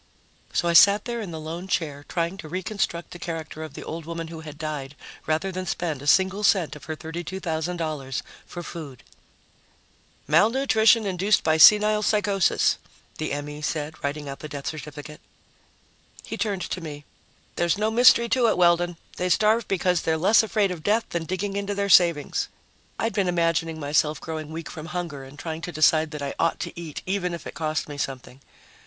So I sat there in the lone chair, trying to reconstruct the character of the old woman who had died rather than spend a single cent of her $32,000 for food. "Malnutrition induced by senile psychosis," the M.E. said, writing out the death certificate. He turned to me. "There's no mystery to it, Weldon. They starve because they're less afraid of death than digging into their savings." I'd been imagining myself growing weak from hunger and trying to decide that I ought to eat even if it cost me something.